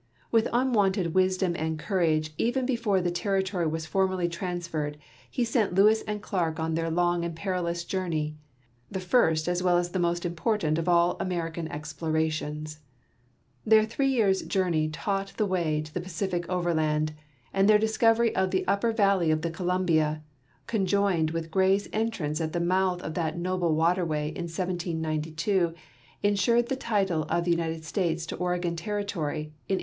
With unwonted wisdom and courage, even before the territory was formally transferred, he sent Lewis and Clarke on their long and perilous journey, the first as well as the most important of all American exi)lorations. Their three years' journey taught the way to the Pacific overland, and their dis covery of the upper valley of the Columhia, conjoined with Gray's entrance at the mouth of that noble waterway in 1792, insured the title of the United States to Oregon territory in 1845.